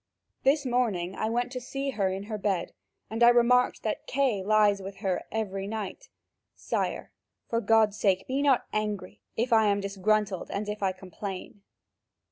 This morning I went to see her in her bed, and I remarked that Kay lies with her every night. Sire, for God's sake, be not angry, if I am disgruntled and if I complain.